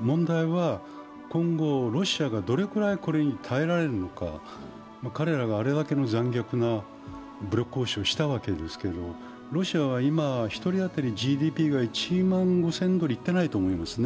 問題は、今後、ロシアがどれくらいこれに耐えられるのか彼らがあれだけの残虐な武力行使をしたわけですけれども、ロシアは今、１人当たりのＧＤＰが１万５０００ドルいってないと思います